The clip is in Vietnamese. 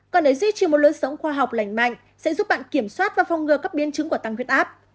còn để duy trì một lối sống khoa học lành mạnh sẽ giúp bạn kiểm soát và phong ngừa các biến chứng của tăng huyết áp